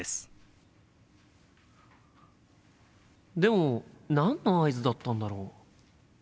心の声でも何の合図だったんだろう？